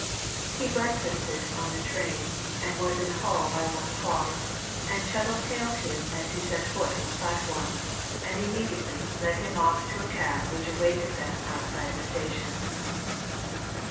He breakfasted on the train, and was in Hull by one o'clock, and Chettle hailed him as he set foot on the platform, and immediately led him off to a cab which awaited them outside the station.